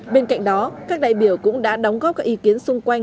bên cạnh đó các đại biểu cũng đã đóng góp các ý kiến xung quanh